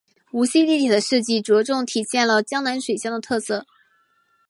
无锡地铁的设计着重体现了江南水乡的特色。